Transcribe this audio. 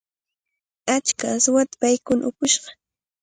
Achka aswata paykuna upushqa.